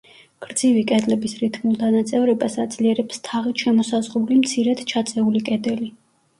გრძივი კედლების რითმულ დანაწევრებას აძლიერებს თაღით შემოსაზღვრული მცირედ ჩაწეული კედელი.